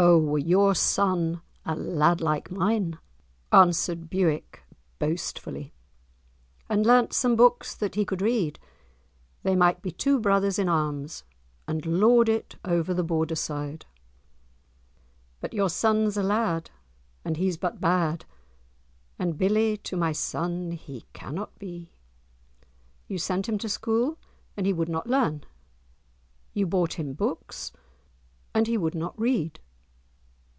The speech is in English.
"O were your son a lad like mine," answered Bewick, boastfully, "and learnt some books that he could read, they might be two brothers in arms, and lord it over the Borderside. 'But your son's a lad, and he's but bad, And billie[#] to my son he cannot be.' [#] Comrade, or brother in arms. You sent him to school, and he would not learn; you bought him books, and he would not read!"